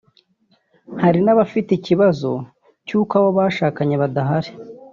hari n’abafite ikibazo cy’uko abo bashakanye badahari